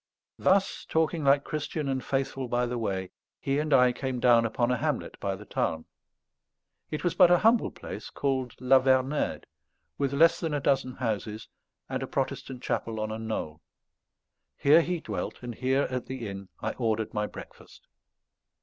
Thus, talking like Christian and Faithful by the way, he and I came down upon a hamlet by the Tarn. It was but a humble place, called La Vernède, with less than a dozen houses, and a Protestant chapel on a knoll. Here he dwelt; and here, at the inn, I ordered my breakfast.